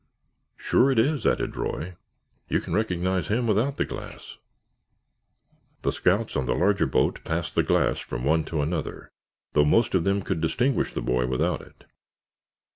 "Sure it is," added Roy. "You can recognize him without the glass." The scouts on the larger boat passed the glass from one to another, though most of them could distinguish the boy without it.